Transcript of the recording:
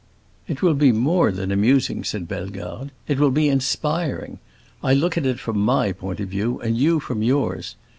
"It will be more than amusing," said Bellegarde; "it will be inspiring. I look at it from my point of view, and you from yours.